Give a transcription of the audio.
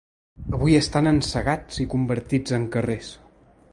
Avui estan encegats i convertits en carrers.